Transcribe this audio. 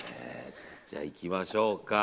じゃあ、行きましょうか。